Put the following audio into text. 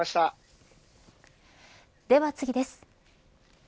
では次です。